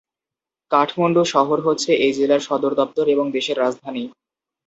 কাঠমান্ডু শহর হচ্ছে এই জেলার সদরদপ্তর এবং দেশের রাজধানী।